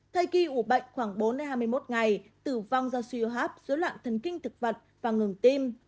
thay khi ủ bệnh khoảng bốn hai mươi một ngày tử vong do siêu hấp dối loạn thần kinh thực vật và ngừng tim